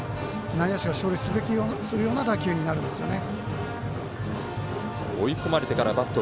内野手が処理すべきような打球になるんですよね。